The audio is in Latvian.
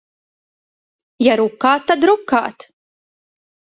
Ja rukāt, tad rukāt.